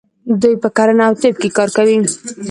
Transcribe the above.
دوی په کرنه او طب کې کار کوي.